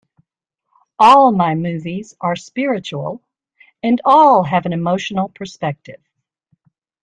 All my movies are spiritual and all have an emotional perspective.